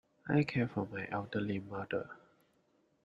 I care for my elderly mother.